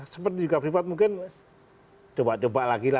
seperti juga freeport mungkin coba coba lagi lah